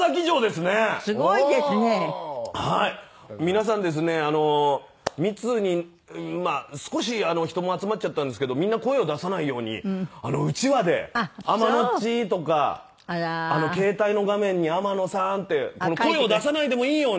皆さんですね密に少し人も集まっちゃったんですけどみんな声を出さないようにうちわで天野っちとか携帯の画面に天野さんって声を出さないでもいいように応援を工夫してくださって。